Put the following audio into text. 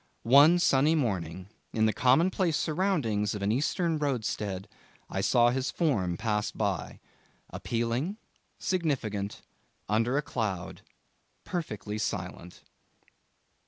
One sunny morning, in the commonplace surroundings of an Eastern roadstead, I saw his form pass by appealing significant under a cloud perfectly silent.